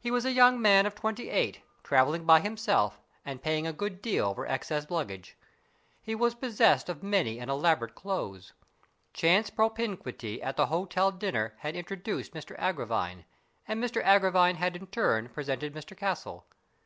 He was a young man of twenty eight, travelling by himself and paying a good deal for excess luggage. He was possessed of many and elaborate clothes. Chance propinquity at the hotel dinner had intro duced Mr Agravine, and Mr Agravine had in turn presented Mr Castle.